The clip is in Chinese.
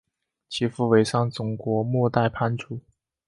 其父为上总国末代藩主。